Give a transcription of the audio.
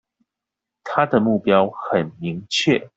他的目標很明確